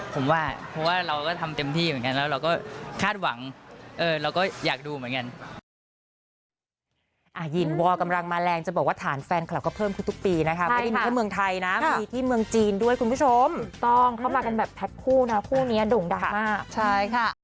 ผมว่าเพราะว่าเราก็ทำเต็มที่เหมือนกันแล้วเราก็คาดหวังเราก็อยากดูเหมือนกัน